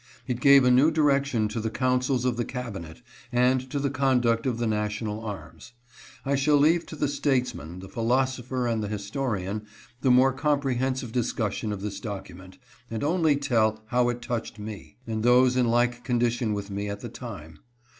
It gave a new direction to the councils of the Cabinet, and to the conduct of the national arms. I shall leave to the statesman, the philoso pher and the historian, the more comprehensive discussion of this document, and only tell how it touched me, and those in like condition with me at the time.